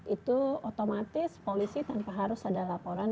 itu otomatis polisi tanpa harus ada laporan